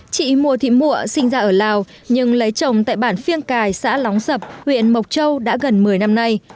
chị mùa thị mùa sinh ra ở lào nhưng lấy chồng tại bản phiêng cài xã lóng sập huyện mộc châu đã gần một mươi năm nay